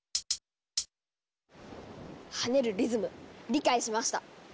跳ねるリズム理解しました！